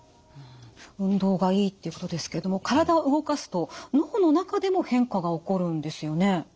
運動がいいっていうことですけども体を動かすと脳の中でも変化が起こるんですよね。